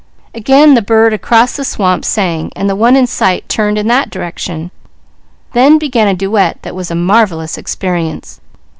Again the bird across the swamp sang and the one in sight turned in that direction. Then began a duet that was a marvellous experience.